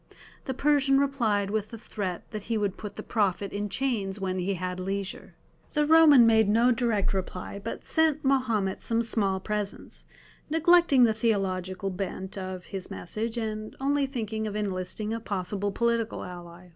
The Persian replied with the threat that he would put the Prophet in chains when he had leisure. The Roman made no direct reply, but sent Mahomet some small presents, neglecting the theological bent of his message, and only thinking of enlisting a possible political ally.